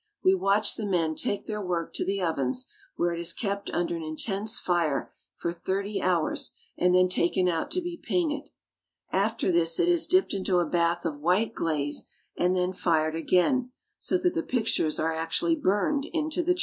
We watch the men take their work to the ovens, where it is kept under an intense fire for thirty hours and then taken out to be painted. After this it is dipped into a bath of white glaze, and then fired again, so that the pictures are actually burned into the china. V'\i'' '•".